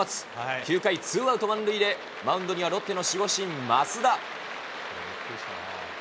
９回ツーアウト満塁でマウンドにはロッテの守護神、増田。